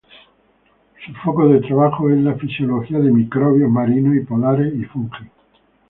Su foco de trabajo es la fisiología de microbios marinos y polares y fungi.